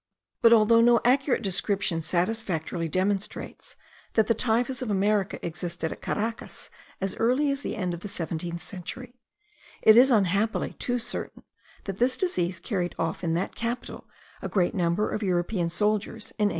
But though no accurate description satisfactorily demonstrates that the typhus of America existed at Caracas as early as the end of the seventeenth century, it is unhappily too certain, that this disease carried off in that capital a great number of European soldiers in 1802.